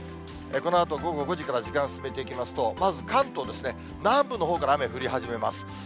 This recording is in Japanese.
このあと午後５時から時間進めていきますと、まず関東ですね、南部のほうから雨降り始めます。